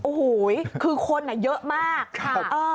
โอ้คุณคุณคนแบบเยอะมากค่ะ